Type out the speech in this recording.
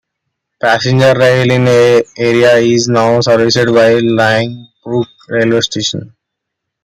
Passenger rail in the area is now serviced by Lynbrook railway station.